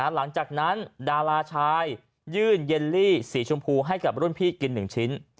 หลังจากนั้นดาราชายยื่นเยลลี่สีชมพูให้กับรุ่นพี่กิน๑ชิ้น